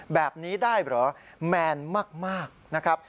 แบบนี้ได้เหรอแมนมากนะครับ